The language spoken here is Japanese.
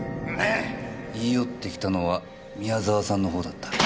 言い寄ってきたのは宮澤さんのほうだった。